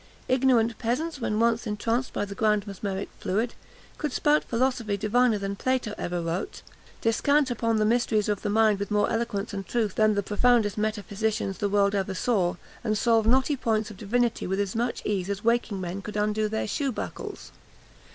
Ignorant peasants, when once entranced by the grand mesmeric fluid, could spout philosophy diviner than Plato ever wrote, descant upon the mysteries of the mind with more eloquence and truth than the profoundest metaphysicians the world ever saw, and solve knotty points of divinity with as much ease as waking men could undo their shoe buckles!